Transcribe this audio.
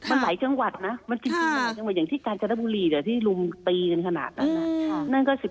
มันหลายจังหวัดนะอย่างที่การจรรย์บุรีที่ลุมตีกันขนาดนั้น